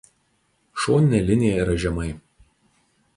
Šoninė linija yra žemai.